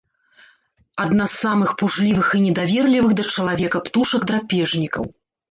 Адна з самых пужлівых і недаверлівых да чалавека птушак-драпежнікаў.